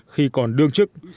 khi còn đương chức